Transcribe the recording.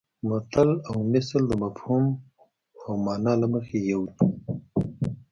متل او مثل د مفهوم او مانا له مخې یو دي